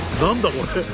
これ。